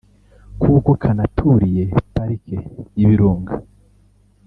kuko kanaturiye parike y’ibirunga